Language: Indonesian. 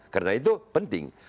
karena itu penting